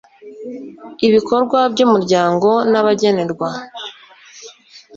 Ibikorwa by Umuryango n abagenerwa